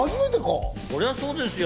そりゃあ、そうですよ。